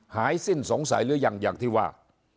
สิ้นสงสัยหรือยังอย่างที่ว่า